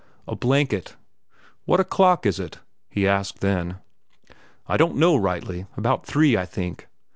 "A blanket!" "What o'clock is it?" he asked then. "I don't know rightly; about three, I think!"